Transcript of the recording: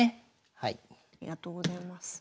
ありがとうございます。